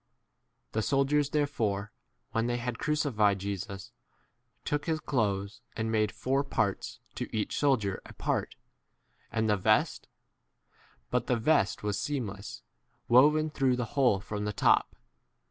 The soldiers therefore, when they had crucified Jesus, took his clothes, and made four parts, to each sol dier a part, and the vest ; but the vest was seamless, woven through 24 the whole from the top.